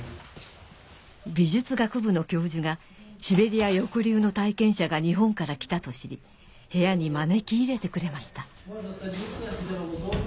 美術学部の教授がシベリア抑留の体験者が日本から来たと知り部屋に招き入れてくれました